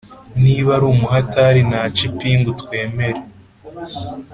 niba ari umuhatari nace ipingu twemere>>